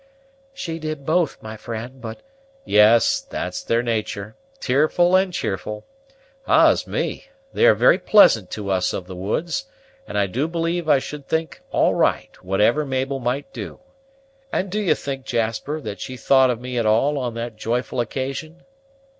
"She did both, my friend; but " "Yes, that's their natur', tearful and cheerful. Ah's me! They are very pleasant to us of the woods; and I do believe I should think all right, whatever Mabel might do. And do you think, Jasper, that she thought of me at all on that joyful occasion?"